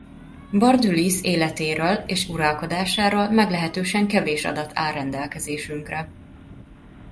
Bardülisz életéről és uralkodásáról meglehetősen kevés adat áll rendelkezésünkre.